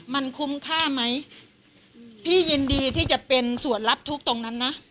มันคุ้มค่าไหมพี่ยินดีที่จะเป็นส่วนรับทุกข์ตรงนั้นนะ